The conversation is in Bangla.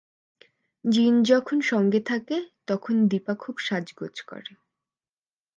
জিন যখন সঙ্গে থাকে, তখন দিপা খুব সাজগোজ করে।